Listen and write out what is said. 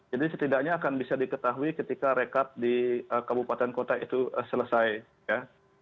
jadi setidaknya akan bisa diketahui ketika rekap di kabupaten kota itu selesai ya